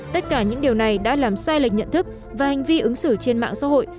tất cả những điều này đã làm sai lệch nhận thức và hành vi ứng xử trên mạng xã hội